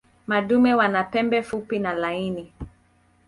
Madume wana pembe fupi na laini.